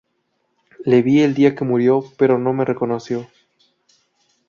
Le vi el día que murió, pero no me reconoció.